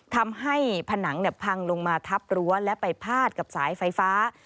ทำให้ผนังพังลงมาทับรั้วและไปพาดกับสายไฟฟ้า